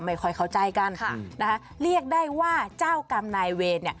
เข้าใจกันเรียกได้ว่าเจ้ากรรมนายเวร